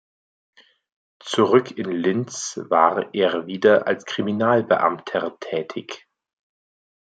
Zurück in Linz war er wieder als Kriminalbeamter tätig.